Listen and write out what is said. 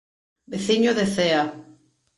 Veciño de Cea.